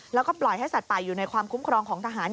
แล้วก็ปล่อยให้สัตว์ป่าอยู่ในความคุ้มครองของทหาร